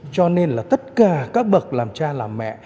cho nên là tất cả các bậc làm cha làm mẹ